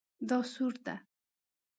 دا سور ده